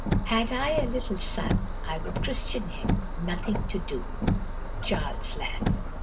"Had I a little son, I would christen him NOTHING TO DO." CHARLES LAMB.